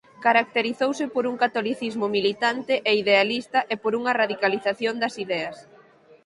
Caracterizouse por un catolicismo militante e idealista e por unha radicalización das ideas.